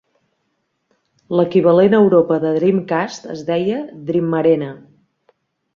L'equivalent a Europa de Dreamcast es deia Dreamarena.